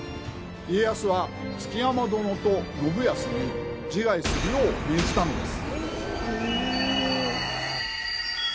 家康は築山殿と信康に自害するよう命じたのです。